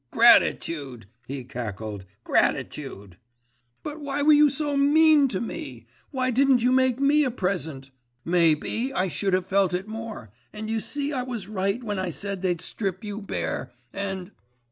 "Gratitude!…" he cackled, "gratitude!" But why were you so mean to me? Why didn't you make me a present? May be, I should have felt it more. And you see I was right when I said they'd strip you bare, and.